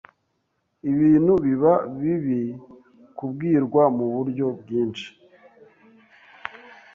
ibintu biba bibi Kubwirwa muburyo bwinshi